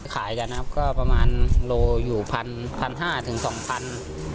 ขายกันนะครับก็ประมาณโลอยู่พันพันห้าถึงสองพัน